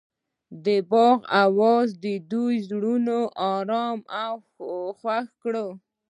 د باغ اواز د دوی زړونه ارامه او خوښ کړل.